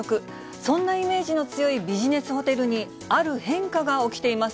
そんなイメージの強いビジネスホテルに、ある変化が起きています。